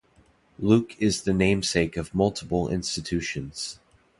Luke is the namesake of multiple institutions.